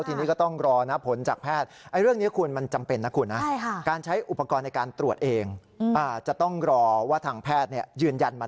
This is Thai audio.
ทีนี้ก็ต้องรอนับผลจากแพทย์